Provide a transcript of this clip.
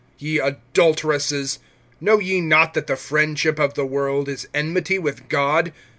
(4)Ye adulteresses, know ye not that the friendship of the world is enmity with God?